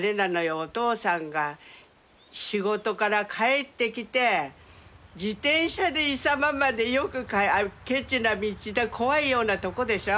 お父さんが仕事から帰ってきて自転車で石間までよくケチな道で怖いようなとこでしょ。